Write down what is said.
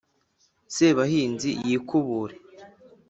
sebahinzi yikubure